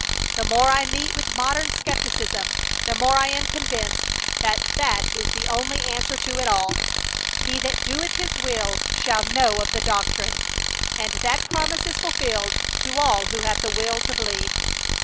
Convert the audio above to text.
The more I meet with modern skepticism, the more I am convinced that that is the only answer to it all: "He that doeth His will shall know of the doctrine," and that promise is fulfilled to all who have the will to believe.